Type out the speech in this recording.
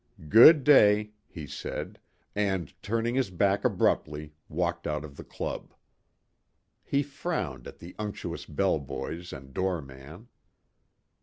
"Good day," he said and turning his back abruptly, walked out of the club. He frowned at the unctuous bell boys and doorman.